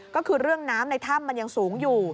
ก็คือเรื่องน้ำในถ้ำมันยังสูงอยู่